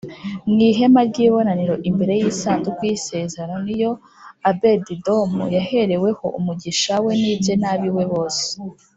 mu ihema ry’ ibonaniro imbere y’isanduku y’isezerano niyo Abedidomu yahereweho umugisha we nibye nabiwe bose.